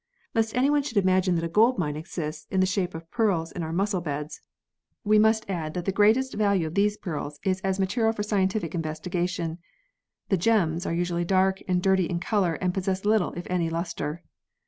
Lest anyone should imagine that a gold mine exists in the shape of pearls in our mussel beds, we must add that the greatest 16 PEARLS [CH. value of these pearls is as material for scientific in vestigation. The " gems " are usually dark and dirty in colour and possess little, if any, lustre.